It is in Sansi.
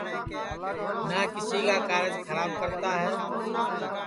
نہ کیسی کا کارج کھراب کرتا ہے